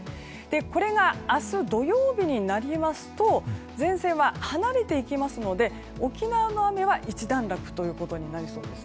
これが明日土曜日になりますと前線は離れていきますので沖縄の雨は一段落となりそうです。